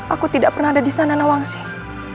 aku tidak pernah ada di sana nawang singh